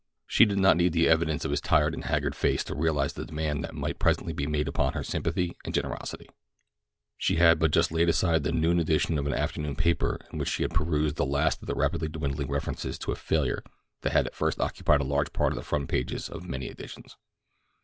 She did not need the evidence of his tired and haggard face to realize the demand that might presently be made upon her sympathy and generosity—she had but just laid aside the noon edition of an afternoon paper in which she had perused the last of the rapidly dwindling references to a failure that had at first occupied a large part of the front pages of many editions.